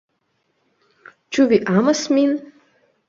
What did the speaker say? "Ĉu vi amas min?"